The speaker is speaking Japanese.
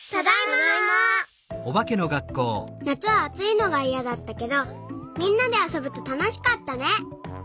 なつはあついのがいやだったけどみんなであそぶとたのしかったね。